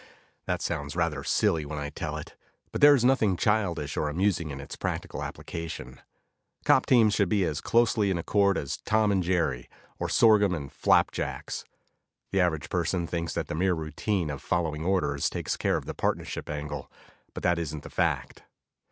That sounds rather silly when I tell it, but there is nothing childish or amusing in its practical application. Cop teams should be as closely in accord as Tom and Jerry, or sorghum and flapjacks. The average person thinks that the mere routine of following orders takes care of the partnership angle, but that isn't the fact.